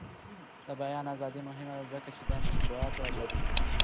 د بیان ازادي مهمه ده ځکه چې د مطبوعاتو ازادي ده.